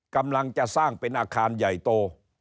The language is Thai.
กำลังจะสร้างเป็นอาคารใหญ่โต